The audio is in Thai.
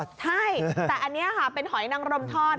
ใช่แต่อันนี้ค่ะเป็นหอยนังรมทอด